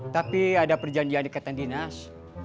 tapi ada perjanjian dekatan dinas